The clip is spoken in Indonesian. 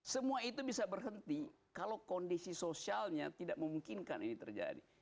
semua itu bisa berhenti kalau kondisi sosialnya tidak memungkinkan ini terjadi